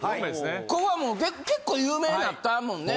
ここはもう結構有名なったもんね。